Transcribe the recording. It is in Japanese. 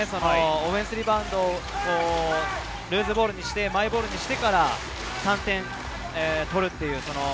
オフェンスリバウンドをルーズボールにして、マイボールにしてから３点取るというのは